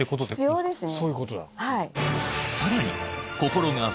必要ですね。